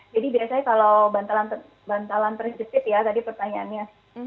jadi biasanya kalau bantalan tulang terjepit ya tadi pertanyaannya